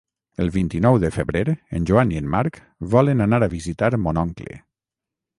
El vint-i-nou de febrer en Joan i en Marc volen anar a visitar mon oncle.